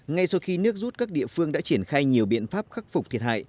ngay sau khi nước rút các địa phương đã triển khai nhiều biện pháp khắc phục thiệt hại